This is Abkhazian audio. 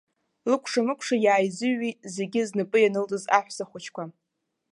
Лыкәшамыкәша иааизыҩҩит зегьы знапы ианылҵаз аҳәсахәыҷқәа.